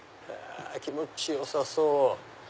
気持ちよさそう。